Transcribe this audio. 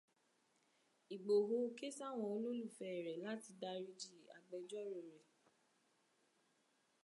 Ìgbòho ké sáwọn olólùfẹ́ rẹ̀ láti dáríji agbẹjọ́rò rẹ̀.